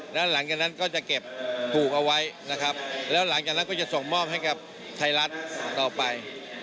แล้วหลังจากนั้นก็จะเก็บผูกเอาไว้นะครับแล้วหลังจากนั้นก็จะส่งมอบให้กับไทยรัฐต่อไป